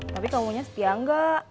tapi kamunya setia enggak